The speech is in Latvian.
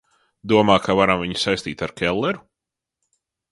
Domā, ka varam viņu saistīt ar Kelleru?